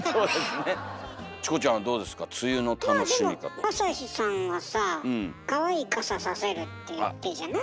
まあでもあさひさんはさかわいい傘差せるって言ったじゃない？